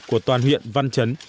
của toàn huyện văn chấn